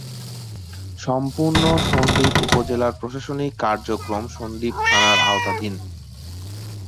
সম্পূর্ণ সন্দ্বীপ উপজেলার প্রশাসনিক কার্যক্রম সন্দ্বীপ থানার আওতাধীন।